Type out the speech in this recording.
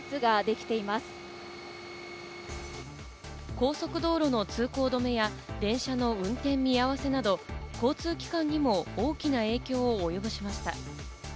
高速道路の通行止めや、電車の運転見合わせなど、交通機関にも大きな影響をおよぼしました。